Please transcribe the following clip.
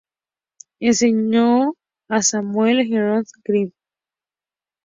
Enseñó a Samuel Hieronymus Grimm.